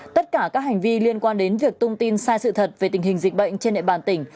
tất cả các hành vi liên quan đến việc tung tin sai sự thật về tình hình dịch bệnh trên địa bàn tỉnh